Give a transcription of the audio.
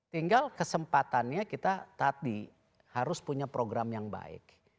tinggal kesempatannya kita tadi harus punya program yang baik